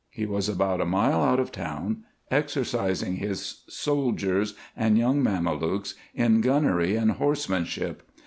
He was about a mile out of town, exercising his soldiers and young Mamelukes in gunnery and horsemanship.